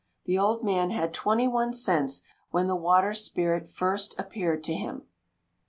2. The old man had 21 cents when the water spirit first appeared to him. No.